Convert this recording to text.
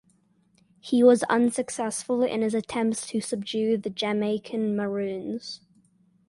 He was unsuccessful in his attempts to subdue the Jamaican Maroons.